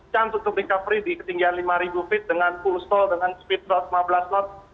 kemungkinan recovery di ketinggian lima ribu feet dengan full stall dengan speed drop lima belas knot